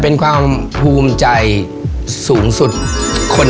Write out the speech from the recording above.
เพราะฉันมีแฟน